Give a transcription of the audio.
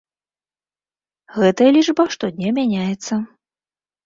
Гэтая лічба штодня мяняецца.